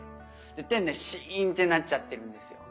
店内シンってなっちゃってるんですよ。